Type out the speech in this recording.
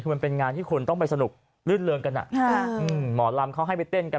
คือมันเป็นงานที่คุณต้องไปสนุกลื่นเริงกันหมอลำเขาให้ไปเต้นกัน